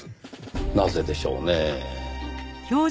なぜでしょうねぇ。